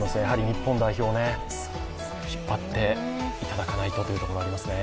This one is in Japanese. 日本代表、引っ張っていただかないとというところがありますね。